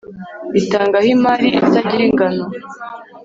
itangaho imari itagira ingano.